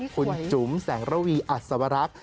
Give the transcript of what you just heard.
คุณจุ๋มแสงระวีอัศวรักษ์